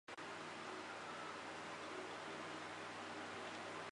减轻受害者的伤痛